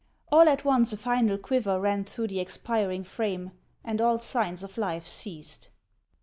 All at once a final quiver ran through the expiring frame, and all signs of life ceased.